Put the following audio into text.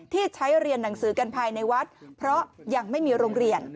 ที่ใช้เรียนหนังสือกันภายในวัดเพราะยังไม่มีโรงเรียน